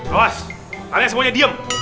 awas kalian semuanya diem